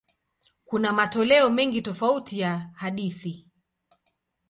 Kuna matoleo mengi tofauti ya hadithi.